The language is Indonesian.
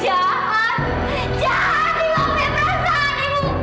jahat ibu aku tidak perasaan ibu